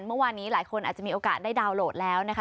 เมื่อวานนี้หลายคนอาจจะมีโอกาสได้ดาวน์โหลดแล้วนะคะ